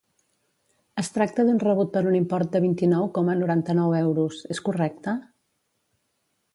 Es tracta d'un rebut per un import de vint-i-nou coma noranta-nou euros, és correcte?